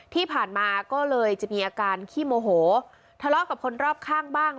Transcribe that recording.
ที่ผ่านมาก็เลยจะมีอาการขี้โมโหทะเลาะกับคนรอบข้างบ้าง